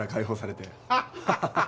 アハハハ。